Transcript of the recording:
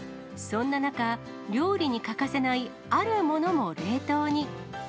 そんな中、料理に欠かせないあるものも冷凍に。